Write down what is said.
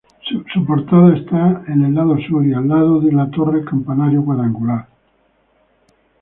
Su portada está en el lado sur, y al lado la torre campanario cuadrangular.